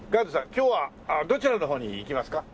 今日はどちらの方に行きますか？